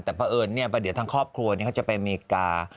แต่ทำไมเราขอเป็นเผด่อทั้งครอบครัวจะไปอเมริกา